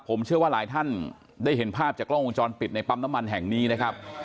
ผมเชื่อว่าหลายท่านได้เห็นภาพจากกล้องวงจรปิดในปั๊มน้ำมันแห่งนี้นะครับ